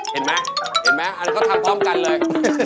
เห็นไหมอันนี้เขาทำพร้อมกันเลย